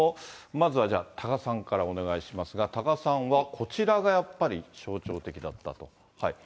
まずはじゃあ、多賀さんからお願いしますが、多賀さんはこちらが、やっぱり象徴的だったと。